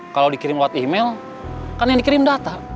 kalau dikirim lewat email kan yang dikirim data